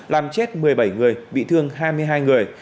làm chết một mươi bảy người bị thương hai mươi hai người